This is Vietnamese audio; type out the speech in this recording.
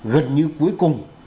gần như cuối cùng